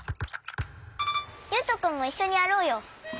ゆうとくんもいっしょにやろうよ。